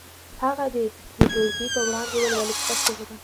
هغه دې د ټولګي په وړاندې ولولي په پښتو ژبه.